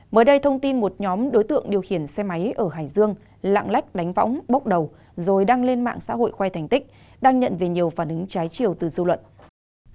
mới đây thông tin một nhóm đối tượng điều khiển xe máy ở hải dương lạng lách đánh võng bốc đầu rồi đăng lên mạng xã hội khoe thành tích đang nhận về nhiều phản ứng trái chiều từ dư luận